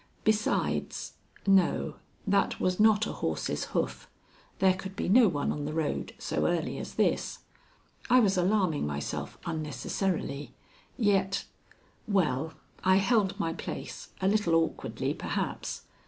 Besides No, that was not a horse's hoof. There could be no one on the road so early as this. I was alarming myself unnecessarily, yet Well, I held my place, a little awkwardly, perhaps.